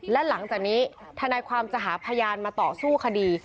และหลังจากนี้ทนายความจะหาพยานมาต่อสู้คดี